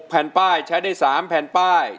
แผ่นป้ายใช้ได้๓แผ่นป้าย